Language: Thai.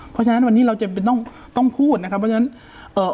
เพราะฉะนั้นวันนี้เราจะต้องพูดนะครับเพราะฉะนั้น